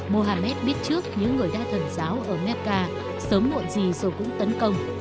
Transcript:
muhammad biết trước những người đa thần giáo ở mecca sớm muộn gì rồi cũng tấn công